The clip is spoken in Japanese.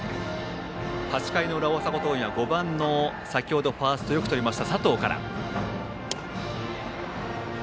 ８回の裏、大阪桐蔭は５番の先程ファーストよくとりました佐藤からです。